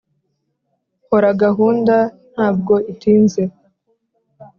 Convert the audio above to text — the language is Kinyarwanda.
hora gahunda ntabwo itinze